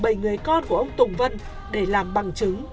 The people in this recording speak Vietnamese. tất cả bảy người con của ông tùng vân để làm bằng chứng